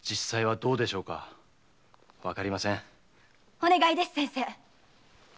お願いです先生。